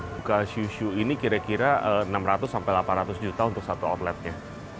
buka susu ini kira kira enam ratus sampai delapan ratus juta untuk satu outletnya